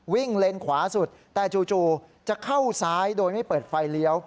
เลนขวาสุดแต่จู่จะเข้าซ้ายโดยไม่เปิดไฟเลี้ยว